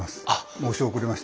申し遅れました。